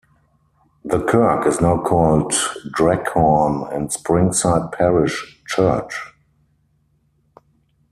The kirk is now called Dreghorn and Springside Parish Church.